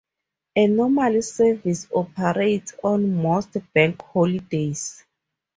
A normal service operates on most Bank holidays.